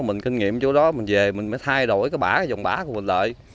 mình kinh nghiệm chỗ đó mình về mình mới thay đổi cái bã cái dòng bã của mình lại